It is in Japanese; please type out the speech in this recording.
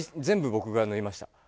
全部僕が縫いました。